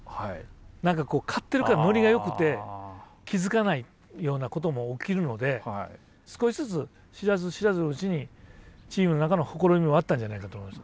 何か勝ってるからノリがよくて気付かないようなことも起きるので少しずつ知らず知らずのうちにチームの中のほころびもあったんじゃないかなと思います。